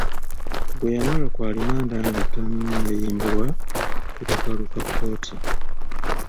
Gwe yamala ku alimanda nga tannayimbulwa ku kakalu ka kkooti?